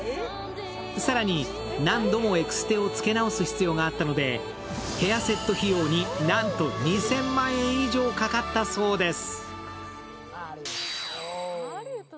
更に何度もエクステを付け直す必要があったのでヘアセット費用になんと２０００万円以上かかったそうです。